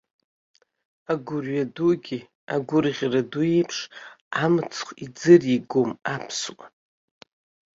Агәырҩа дугьы, агәырӷьара ду еиԥш, амцхә иӡыригом аԥсуа.